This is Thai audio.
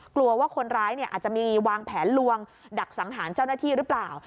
กลัวว่าคนร้ายอาจจะมีวางแผนลวงดักสังหารเจ้าหน้าที่หรือเปล่า